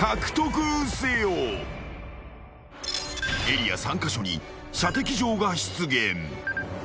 ［エリア３カ所に射的場が出現］